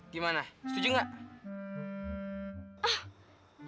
gimana setuju gak